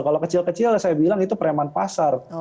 kalau kecil kecil saya bilang itu preman pasar